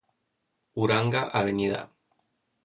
Uranga, Av.